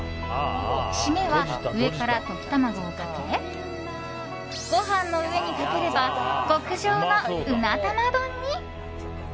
締めは上から溶き卵をかけご飯の上にかければ極上のうな玉丼に。